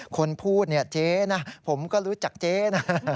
คนพูดเนี่ยเจ๊นะผมก็รู้จักเจ๊นะ